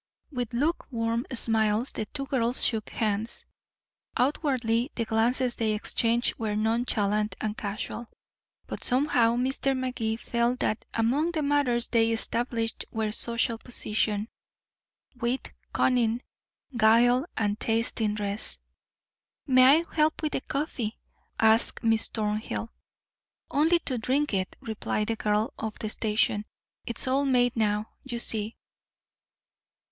With lukewarm smiles the two girls shook hands. Outwardly the glances they exchanged were nonchalant and casual, but somehow Mr. Magee felt that among the matters they established were social position, wit, cunning, guile, and taste in dress. "May I help with the coffee?" asked Miss Thornhill. "Only to drink it," replied the girl of the station. "It's all made now, you see."